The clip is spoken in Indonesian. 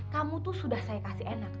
kamu tuh sudah saya kasih enak